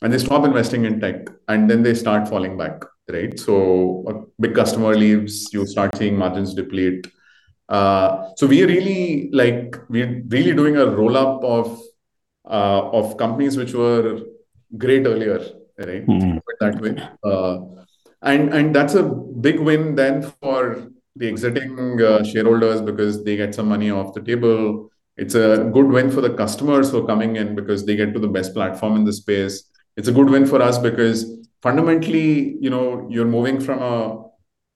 they stop investing in tech, they start falling back, right? A big customer leaves, you start seeing margins deplete. We're really doing a roll-up of companies which were great earlier, right? Let's put it that way. That's a big win then for the exiting shareholders, because they get some money off the table. It's a good win for the customers who are coming in, because they get to the best platform in the space. It's a good win for us because fundamentally, you know, you're moving from a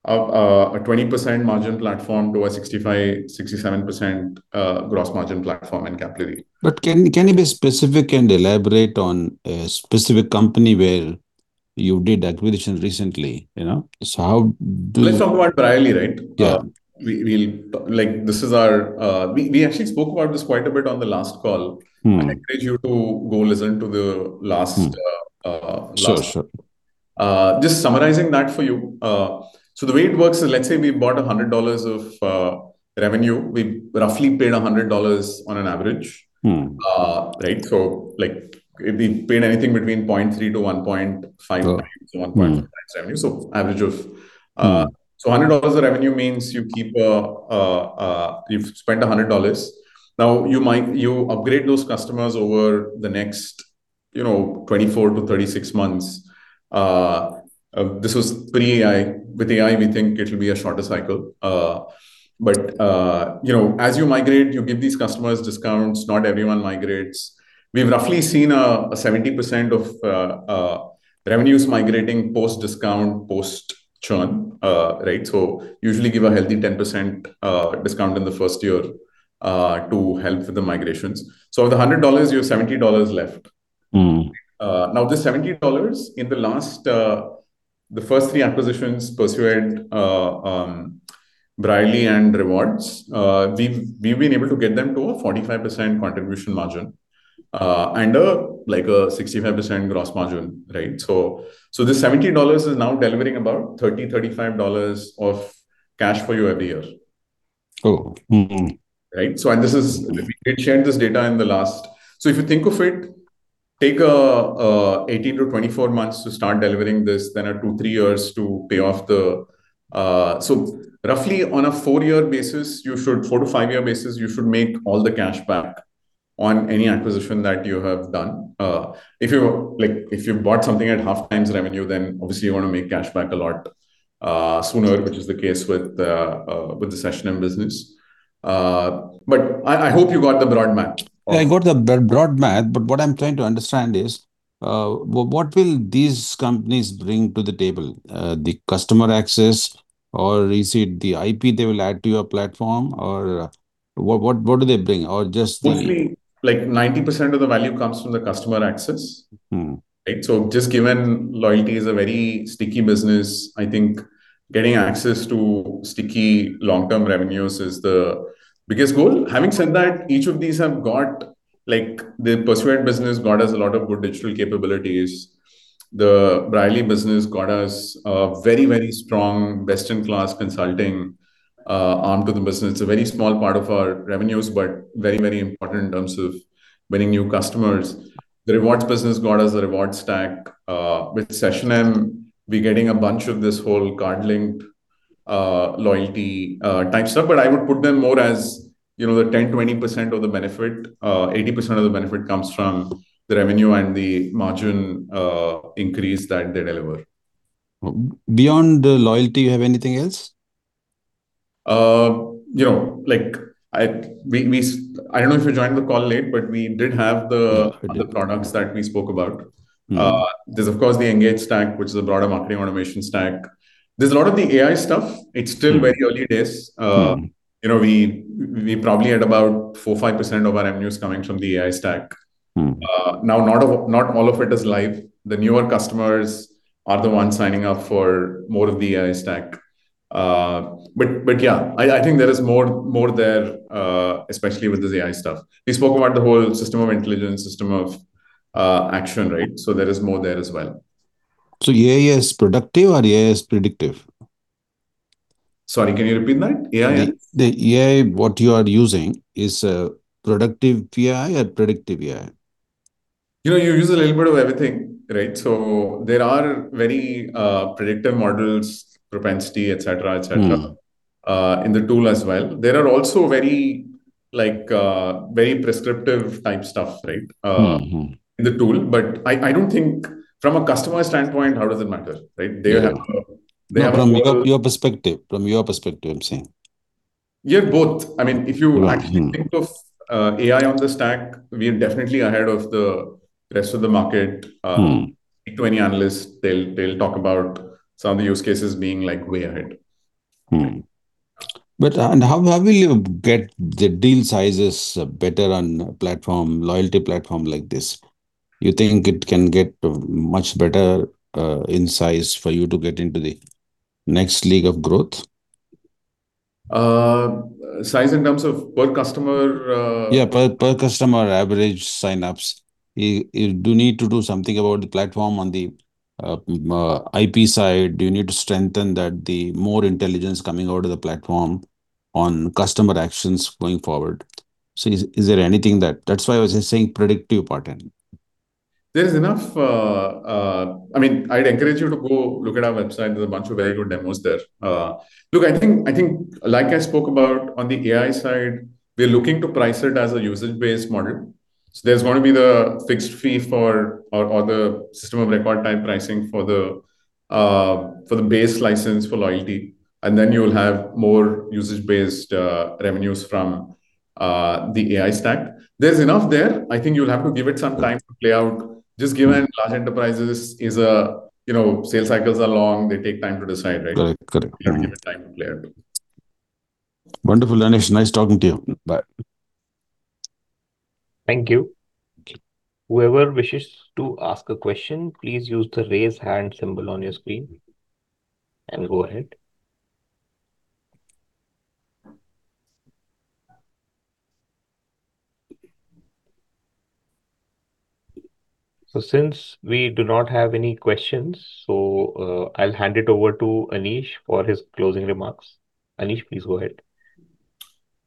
20% margin platform to a 65%-67% gross margin platform in Capillary. Can you be specific and elaborate on a specific company where you did acquisition recently, you know? Let's talk about Brierley, right? Yeah. Like, this is our, We actually spoke about this quite a bit on the last call. I encourage you to go listen to the last. Sure, sure. Just summarizing that for you. The way it works is, let's say we bought $100 of revenue. We roughly paid $100 on an average. Right? like, we paid anything between 0.3x to 1.5x- Sure. Mm-hmm. Revenue. Average of $100 of revenue means you've spent $100. You upgrade those customers over the next, you know, 24-36 months. As you migrate, you give these customers discounts, not everyone migrates. We've roughly seen 70% of revenues migrating post-discount, post-churn. Usually give a healthy 10% discount in the first year to help with the migrations. Of the $100, you have $70 left. Now the $70 in the last, the first three acquisitions, Persuade, Brierley and Rewards+, we've been able to get them to a 45% contribution margin, and a like a 65% gross margin, right. The $70 is now delivering about $30-$35 of cash for you every year. Oh. Mm-hmm. Right? We did share this data in the last. If you think of it, take an 18-24 months to start delivering this, then a two to three years to pay off the. Roughly on a four year basis, four to five year basis, you should make all the cash back on any acquisition that you have done. If you, like, if you've bought something at 0.5x revenue, then obviously you want to make cash back a lot sooner, which is the case with the SessionM business. I hope you got the broad math of. Yeah, I got the broad math, but what I'm trying to understand is, what will these companies bring to the table? The customer access, or is it the IP they will add to your platform? What do they bring? Mostly, like 90% of the value comes from the customer access. Right. Just given loyalty is a very sticky business, I think getting access to sticky long-term revenues is the biggest goal. Having said that, each of these have got, like, the Persuade business got us a lot of good digital capabilities. The Brierley business got us a very, very strong best-in-class consulting arm to the business. A very small part of our revenues, very, very important in terms of winning new customers. The Rewards+ business got us a reward stack. With SessionM, we're getting a bunch of this whole card link loyalty type stuff. I would put them more as, you know, the 10%, 20% of the benefit. 80% of the benefit comes from the revenue and the margin increase that they deliver. Beyond the loyalty, you have anything else? You know, like I don't know if you joined the call late, but we did have the products that we spoke about. There's of course the Engage+, which is a broader marketing automation stack. There's a lot of the AI stuff. It's still very early days. You know, we probably had about 4%-5% of our revenues coming from the AI stack. Now not all of it is live. The newer customers are the ones signing up for more of the AI stack. Yeah, I think there is more there, especially with this AI stuff. We spoke about the whole system of intelligence, system of action, right? There is more there as well. AI is productive or AI is predictive? Sorry, can you repeat that? AI is? The AI, what you are using is productive AI or predictive AI? You know, you use a little bit of everything, right? There are very predictive models, propensity, et cetera, et cetera. In the tool as well. There are also very, like, very prescriptive type stuff, right? In the tool. I don't think from a customer standpoint, how does it matter, right? Yeah. They have. From your perspective, I'm saying. Yeah, both. I mean, Think of AI on the stack, we're definitely ahead of the rest of the market. Speak to any analyst, they'll talk about some of the use cases being like way ahead. How will you get the deal sizes better on a platform, loyalty platform like this? You think it can get much better in size for you to get into the next league of growth? Size in terms of per customer. Yeah, per customer average sign-ups. You do need to do something about the platform on the IP side. Do you need to strengthen that, the more intelligence coming out of the platform on customer actions going forward? Is there anything that? There's enough, I mean, I'd encourage you to go look at our website. There's a bunch of very good demos there. Look, I think like I spoke about on the AI side, we're looking to price it as a usage-based model. There's gonna be the fixed fee for or the system of record type pricing for the base license for loyalty, and then you'll have more usage-based revenues from the AI stack. There's enough there. I think you'll have to give it some time to play out. Just given large enterprises, you know, sales cycles are long, they take time to decide, right? Correct. Correct. Mm-hmm. You have to give it time to play out. Wonderful, Aneesh. Nice talking to you. Bye. Thank you. Whoever wishes to ask a question, please use the raise hand symbol on your screen and go ahead. Since we do not have any questions, so, I'll hand it over to Aneesh for his closing remarks. Aneesh, please go ahead.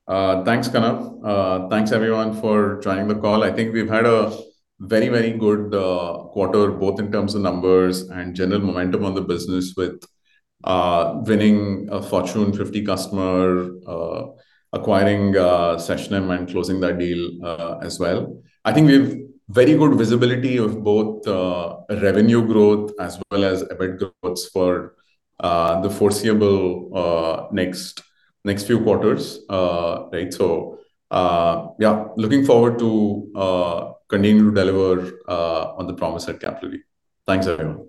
Thanks, Kanav. Thanks everyone for joining the call. I think we've had a very, very good quarter, both in terms of numbers and general momentum on the business with winning a Fortune 50 customer, acquiring SessionM, and closing that deal as well. I think we've very good visibility of both revenue growth as well as EBIT growth for the foreseeable next few quarters. Right? Yeah, looking forward to continuing to deliver on the promise at Capillary. Thanks, everyone.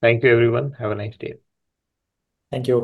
Thank you, everyone. Have a nice day. Thank you.